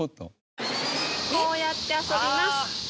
こうやって遊びます。